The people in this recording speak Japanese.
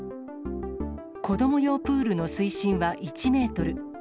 子ども用プールの水深は１メートル。